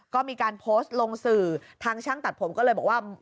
ก็มีการโพสต์ลงสื่อทางช่างตัดผมก็เลยบอกว่า